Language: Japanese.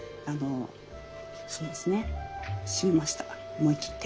思い切って。